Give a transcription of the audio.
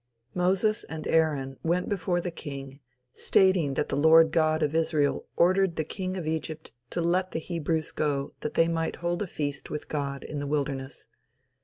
Moses and Aaron went before the king, stating that the Lord God of Israel ordered the King of Egypt to let the Hebrews go that they might hold a feast with God in the wilderness.